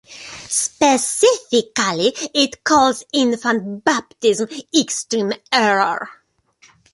Specifically, it calls infant baptism extreme error.